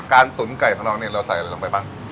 การตุ๋นไก่พร้อมนี้เราใส่อะไรลงไปบ้าง